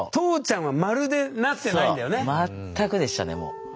まったくでしたねもう。